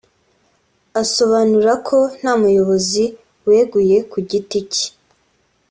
asobanura ko nta muyobozi weguye ku giti cye